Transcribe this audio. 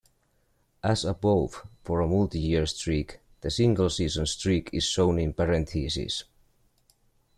As above, for a multi-year streak, the single-season streak is shown in parentheses.